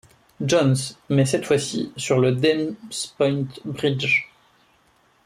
John's, mais cette fois-ci sur le Dames Point Bridge.